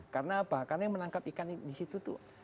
karena apa karena yang menangkap ikan di situ tuh